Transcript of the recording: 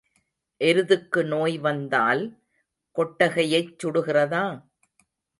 எருதுக்கு நோய் வந்தால் கொட்டகையைச் சுடுகிறதா?